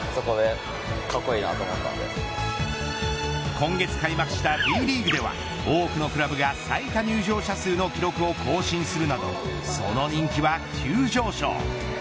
今月開幕したＢリーグでは多くのクラブが最多入場者数の記録を更新するなどその人気は急上昇。